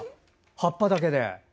葉っぱだけで。